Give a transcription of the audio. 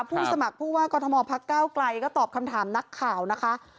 ผู้สมัครผู้ว่ากรทมพักเก้าไกลก็ตอบคำถามนักข่าวนะคะ